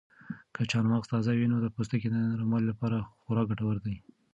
که چهارمغز تازه وي نو د پوستکي د نرموالي لپاره خورا ګټور دي.